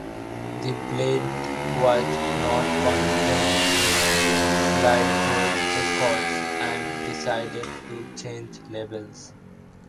The Bled was not content with Fiddler Records, and decided to change labels.